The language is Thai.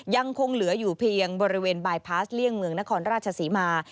ยังคงเหลืออยู่เพียงบริเวณบายพาสเลี่ยงเมืองนครราชศรีมา